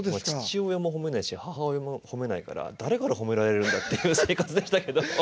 父親も褒めないし母親も褒めないから誰から褒められるんだっていう生活でしたけど。